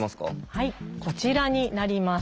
はいこちらになります。